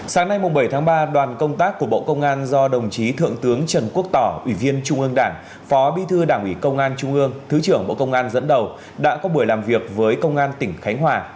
sáng nay bảy tháng ba đoàn công tác của bộ công an do đồng chí thượng tướng trần quốc tỏ ủy viên trung ương đảng phó bí thư đảng ủy công an trung ương thứ trưởng bộ công an dẫn đầu đã có buổi làm việc với công an tỉnh khánh hòa